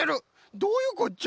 どういうこっちゃ！？